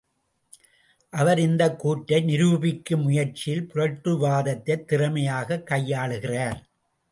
அவர் இக்கூற்றை நிரூபிக்கும் முயற்சியில் புரட்டுவாதத்தைத் திறமையாக் கையாளுகிறார்.